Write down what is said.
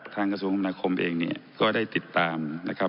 กระทรวงคำนาคมเองเนี่ยก็ได้ติดตามนะครับ